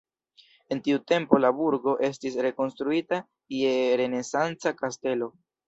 En tiu tempo la burgo estis rekonstruita je renesanca kastelo.